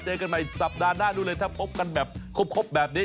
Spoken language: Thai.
เจอกันใหม่สัปดาห์หน้านู้นเลยถ้าพบกันแบบครบแบบนี้